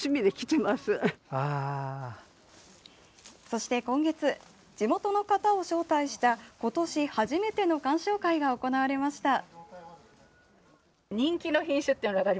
そして今月地元の方を招待した今年初めての鑑賞会が行われました。